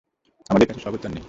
আমাদের কাছে সব উত্তর নেই।